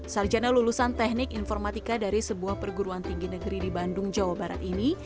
sarjana lulusan teknik informatika dari sebuah perguruan tinggi negeri di bandung jawa barat ini